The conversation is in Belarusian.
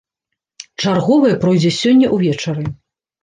Чарговая пройдзе сёння ўвечары.